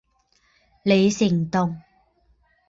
李成栋。